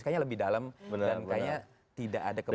kayaknya lebih dalam dan kayaknya tidak ada kemungkinan